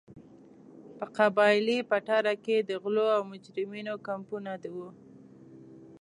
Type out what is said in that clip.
په قبایلي پټاره کې د غلو او مجرمینو کمپونه وو.